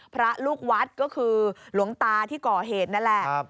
พระลูกวัดก็คือหลวงตาที่ก่อเหตุนั่นแหละ